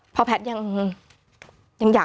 แต่ที่แพทย์เลือกที่จะไม่พูด